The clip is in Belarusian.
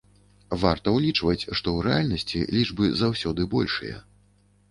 Варта ўлічваць, што ў рэальнасці лічбы заўсёды большыя.